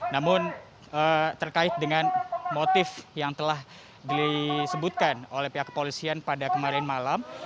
namun terkait dengan motif yang telah disebutkan oleh pihak kepolisian pada kemarin malam